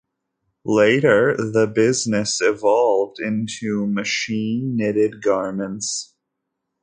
Later the business evolved into machine knitted garments.